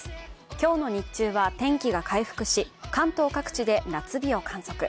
今日の日中は天気が回復し、関東各地で夏日を観測。